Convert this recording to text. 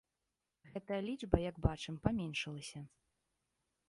Гэтая лічба, як бачым, паменшылася.